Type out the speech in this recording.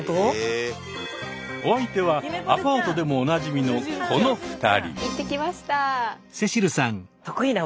お相手はアパートでもおなじみのこの２人。